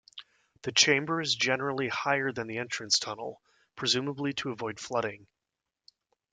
The chamber is generally higher than the entrance tunnel, presumably to avoid flooding.